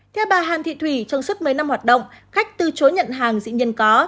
theo bà hàn thị thủy trong suốt mấy năm hoạt động khách từ chối nhận hàng dĩ nhiên có